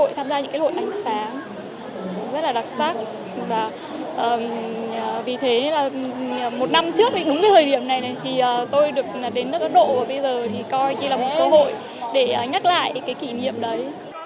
và vì thế là một năm trước đúng cái thời điểm này thì tôi được đến nước ấn độ và bây giờ thì coi như là một cơ hội để nhắc lại cái kỷ niệm đấy